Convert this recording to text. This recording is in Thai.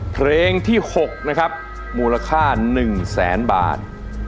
เพลงที่๖นะครับมูลค่า๑แสนบาท